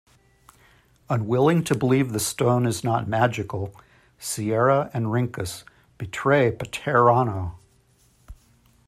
Unwilling to believe the Stone is not magical, Sierra and Rinkus betray Pterano.